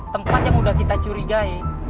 tempat yang sudah kita curigai